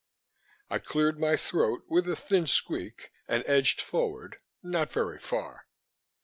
I cleared my throat with a thin squeak, and edged forward, not very far.